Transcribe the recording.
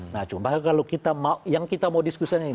nah cuma kalau kita mau yang kita mau diskusikan